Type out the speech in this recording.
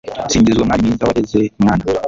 singizwa mwari mwiza wareze mwana